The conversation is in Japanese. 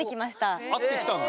会ってきたんだ。